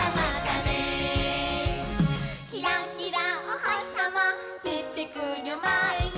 「キラキラおほしさまでてくるまえに」